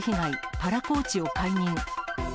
パラコーチを解任。